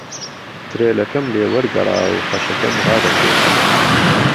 ترێلهکهم لێ وهرگهڕا و خهشهکهم ڕادهکێشان